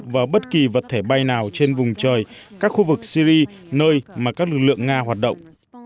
vào bất kỳ vật thể bay nào trên vùng trời các khu vực syri nơi mà các lực lượng nga hoạt động